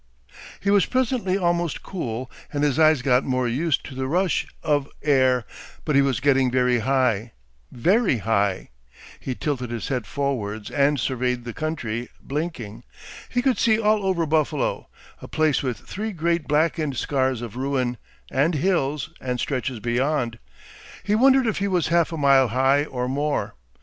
He was presently almost cool, and his eyes got more used to the rush of air, but he was getting very high, very high. He tilted his head forwards and surveyed the country, blinking. He could see all over Buffalo, a place with three great blackened scars of ruin, and hills and stretches beyond. He wondered if he was half a mile high, or more.